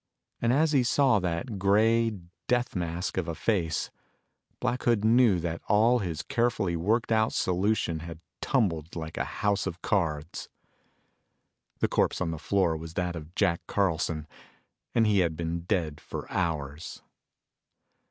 And as he saw that gray deathmask of a face, Black Hood knew that all his carefully worked out solution had tumbled like a house of cards. The corpse on the floor was that of Jack Carlson, and he had been dead for hours.